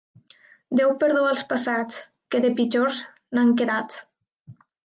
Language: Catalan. Déu perdó als passats, que de pitjors n'han quedats.